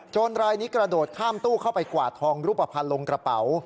รายนี้กระโดดข้ามตู้เข้าไปกวาดทองรูปภัณฑ์ลงกระเป๋า